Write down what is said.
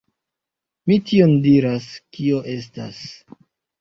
Mi tion diras, kio estas.